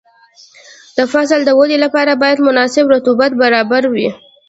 د فصل د ودې لپاره باید مناسب رطوبت برابر وي.